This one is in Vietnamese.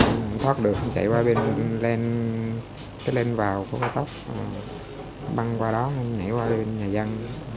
anh thoát được anh chạy qua bên lên cái lên vào của tàu tóc băng qua đó anh nhảy qua bên nhà dân